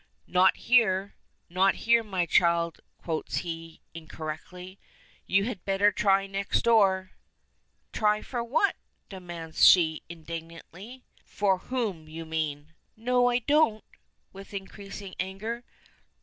"Not here. Not here, my child," quotes he, incorrectly. "You had better try next door." "Try for what?" demands she, indignantly. "For whom? You mean " "No, I don't," with increasing anger.